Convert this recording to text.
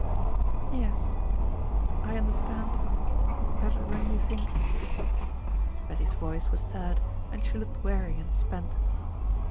"Yes. I understand, better than you think." Betty's voice was sad, and she looked weary and spent.